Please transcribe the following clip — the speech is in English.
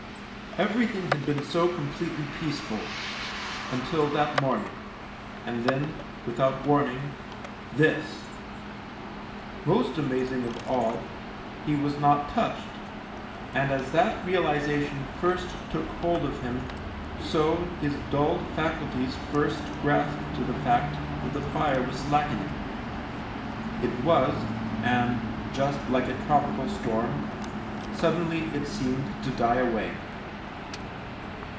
Everything had been so completely peaceful — until that morning — and then, without warning — this. Most amazing of all, he was not touched, and as that realisation first took hold of him so his dulled faculties first grasped the fact that the fire was slackening. It was, and, just like a tropical storm, suddenly it seemed to die away.